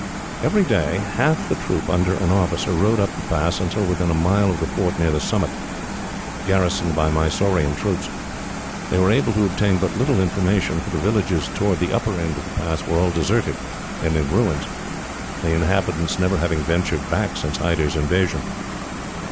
Every day half the troop, under an officer, rode up the pass until within a mile of the fort near the summit, garrisoned by Mysorean troops. They were able to obtain but little information, for the villages towards the upper end of the pass were all deserted and in ruins, the inhabitants never having ventured back since Hyder's invasion.